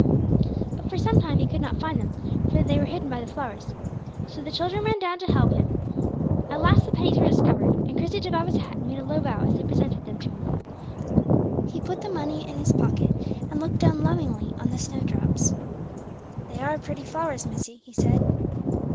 But for some time he could not find them, for they were hidden by the flowers; so the children ran downstairs again to help him. At last the pennies were discovered, and Christie took off his hat and made a low bow, as they presented them to him. He put the money in his pocket, and looked down lovingly on the snowdrops. "They are pretty flowers, missie," he said.